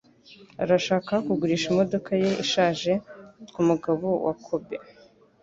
Arashaka kugurisha imodoka ye ishaje kumugabo wa Kobe.